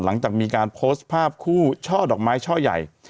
หลังจากมีการโพสต์ภาพคู่ช่อดอกไม้ช่อใหญ่